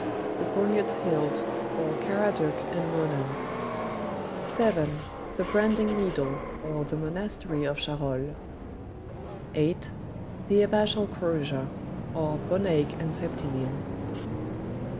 The Poniard's Hilt; or, Karadeucq and Ronan; 7. The Branding Needle; or, The Monastery of Charolles; 8. The Abbatial Crosier; or, Bonaik and Septimine; 9.